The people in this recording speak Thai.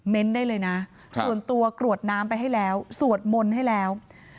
ได้เลยนะส่วนตัวกรวดน้ำไปให้แล้วสวดมนต์ให้แล้ว